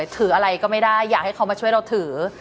ถืออะไรก็ไม่ได้อยากให้เขามาช่วยเราถือ